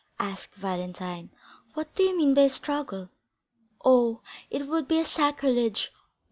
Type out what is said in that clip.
asked Valentine. "What do you mean by a struggle? Oh, it would be a sacrilege.